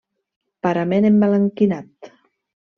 Parament emblanquinat.